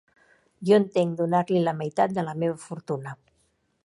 Jo entenc donar-li la meitat de la meva fortuna.